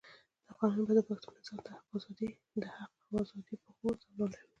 دا قانون به د پښتون انسان د حق او آزادۍ د پښو زولانه وي.